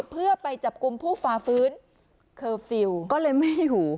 เพื่อไปจับกลุ่มผู้ฝ่าฟื้นเคอร์ฟิลล์ก็เลยไม่อยู่